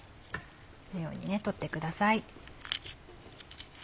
このように取ってください。